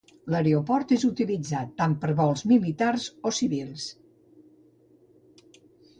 L'aeroport és utilitzat tant per vols militars o civils.